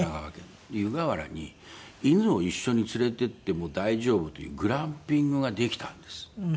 湯河原に犬を一緒に連れていっても大丈夫というグランピングができたんです。